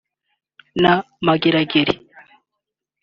na Mageragere